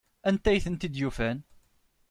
Anta ay tent-id-yufan?